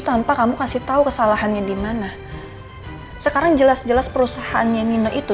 tanpa kamu kasih tahu kesalahannya dimana sekarang jelas jelas perusahaannya nino itu